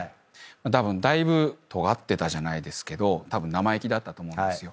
たぶんだいぶとがってたじゃないですけど生意気だったと思うんですよ。